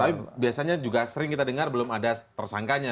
tapi biasanya juga sering kita dengar belum ada tersangkanya